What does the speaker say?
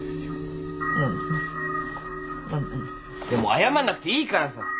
いやもう謝んなくていいからさ。